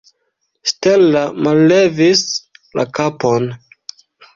Stella mallevis la kapon.